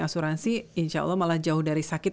asuransi insya allah malah jauh dari sakit